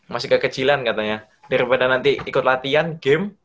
masih kekecilan katanya daripada nanti ikut latihan game